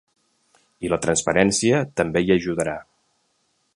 I la transparència també hi ajudarà.